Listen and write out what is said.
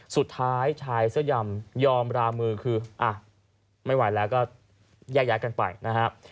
สุดท้ายชายเสื้อยำยอมรามือคืออ่ะไม่ไหวแล้วก็แยกย้ายกันไปนะครับ